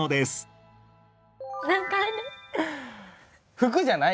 服じゃない？